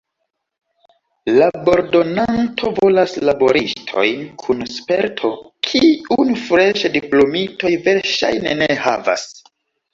Labordonanto volas laboristojn kun sperto, kiun freŝe diplomitoj verŝajne ne havas.